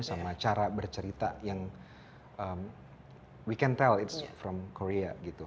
sama cara bercerita yang kita bisa tahu itu dari korea gitu